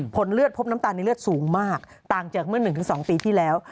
ผลเลือดพบน้ำตาลในเลือดสูงมากต่างจากเมื่อ๑๒ปีที่แล้ว